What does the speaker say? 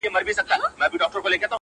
ستا رګو ته د ننګ ویني نه دي تللي -